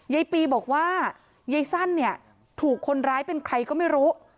ยายปีบอกว่ายายสั้นเนี่ยถูกคนร้ายเป็นใครก็ไม่รู้